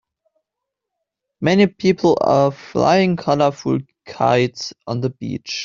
Many people are flying colorful kites on the beach.